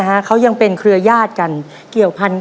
แล้ววันนี้ผมมีสิ่งหนึ่งนะครับเป็นตัวแทนกำลังใจจากผมเล็กน้อยครับ